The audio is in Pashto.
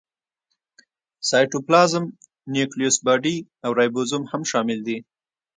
سایټوپلازم، نیوکلیوس باډي او رایبوزوم هم شامل دي.